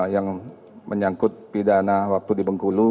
yang menyangkut pidana waktu di bengkulu